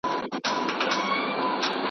صبر د بریا مهم راز دی.